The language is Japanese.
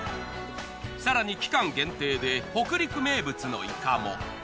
更に期間限定で北陸名物のいかも。